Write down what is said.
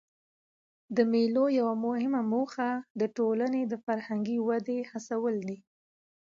د مېلو یوه مهمه موخه د ټولني د فرهنګي ودي هڅول دي.